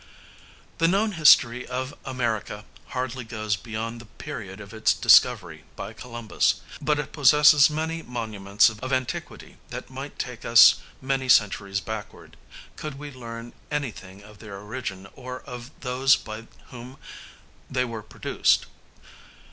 The known history of America hardly goes beyond the period of its discovery by Columbus; but it possesses many monuments of antiquity that might take us many centuries backward, could we learn anything of their origin or of those by whom they were produced.